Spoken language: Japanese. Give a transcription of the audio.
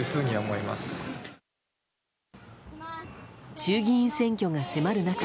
衆議院選挙が迫る中